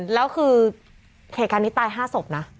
เหตุการณ์ที่ตาย๕ศพนะ